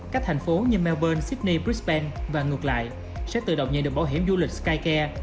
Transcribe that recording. các thành phố như melbourn sydney brisbank và ngược lại sẽ tự động nhận được bảo hiểm du lịch skycare